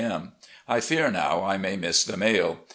m. I fear now I may miss the mail.